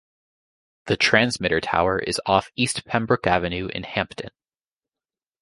The transmitter tower is off East Pembroke Avenue in Hampton.